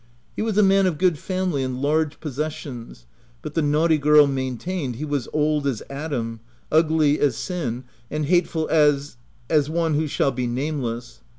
He wa3 a man of good family and large possessions, but the naughty girl maintained he was old as Adam, ugly as sin, and hateful as one who shall be nameless.